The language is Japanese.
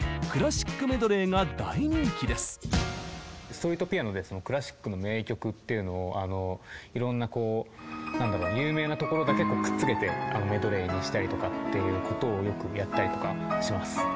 ストリートピアノでクラシックの名曲っていうのをいろんなこう何だろう有名なところだけくっつけてメドレーにしたりとかっていうことをよくやったりとかします。